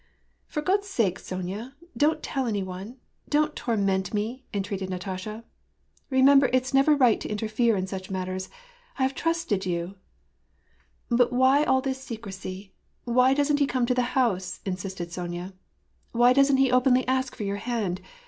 " For God's sake, Sonya, don't tell any one, don't torment me," entreated Natsisha. " Remember it's never right to in terfere in such matters. I have trusted you "—" But why all this secrecy ? Why doesn't he come to the house ?" insisted Sonya. " Why doesn't he openly ask for your hand